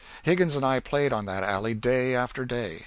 Higgins and I played on that alley day after day.